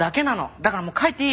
だからもう帰っていいよ。